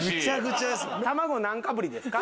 卵何かぶりですか？